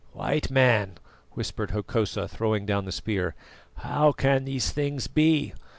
"White Man," whispered Hokosa throwing down the spear, "how can these things be?